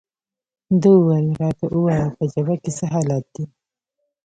ده وویل: راته ووایه، په جبهه کې څه حالات دي؟